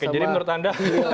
jadi menurut anda